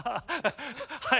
はい。